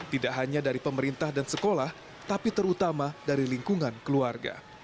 tidak hanya dari pemerintah dan sekolah tapi terutama dari lingkungan keluarga